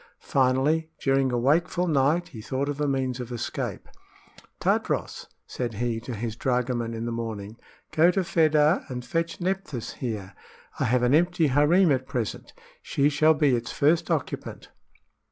Finally, during a wakeful night, he thought of a means of escape. "Tadros," said he to his dragoman in the morning, "go to Fedah and fetch Nephthys here. I have an empty harem at present; she shall be its first occupant."